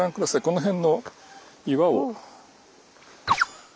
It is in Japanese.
この辺の岩を。